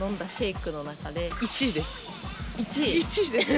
１位です